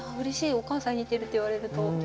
お母さんに似てるって言われると。